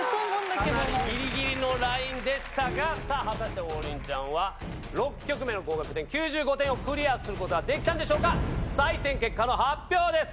かなりギリギリのラインでしたがさぁ果たして王林ちゃんは６曲目の合格点９５点をクリアすることはできたんでしょうか採点結果の発表です。